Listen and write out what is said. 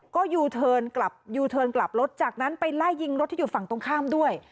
ก็ยูเทิร์นกลับยูเทิร์นกลับรถจากนั้นไปไล่ยิงรถที่อยู่ฝั่งตรงข้ามด้วย